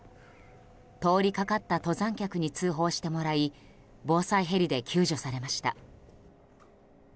通りかかった登山客に通報してもらい防災ヘリで救助されました。